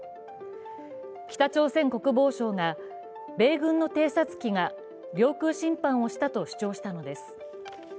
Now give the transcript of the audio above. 北朝鮮国防省が米軍の偵察機が領空侵犯をしたと主張したのです。